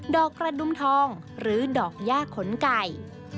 ดอกกระดุมทองหรือดอกหญ้าขนไก่